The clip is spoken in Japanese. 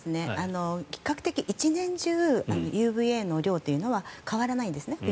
比較的１年中ＵＶＡの量は変わらないんですね。